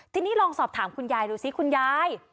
ทีนี้ลองสอบถามคุณยายดูสิคุณยาย